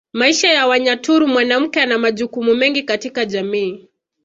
Maisha kwa Wanyaturu mwanamke ana majukumu mengi katika jamii